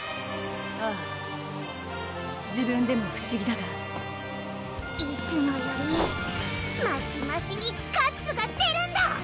ああ自分でも不思議だがいつもよりマシマシにガッツが出るんだ